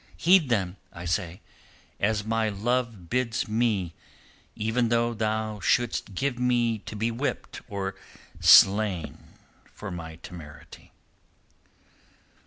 Heed them, I say, as my love bids me even though thou shouldst give me to be whipped or slain for my temerity."